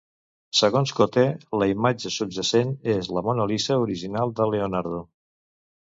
Segons Cotte, la imatge subjacent és la Mona Lisa original de Leonardo.